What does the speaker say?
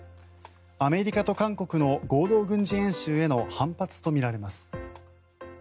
アメリカと韓国の合同軍事演習への反発とみられます。